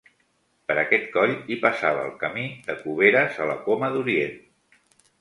Per aquest coll, hi passava el Camí de Cuberes a la Coma d'Orient.